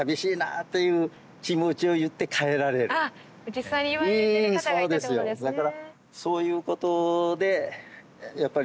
実際に言われてる方がいたってことですね。